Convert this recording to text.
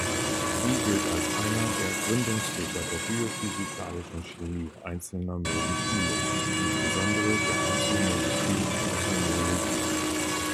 Xie gilt als einer der Gründungsväter der biophysikalischen Chemie einzelner Moleküle, insbesondere der Einzelmolekül-Enzymologie.